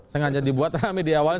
sengaja dibuat rame di awal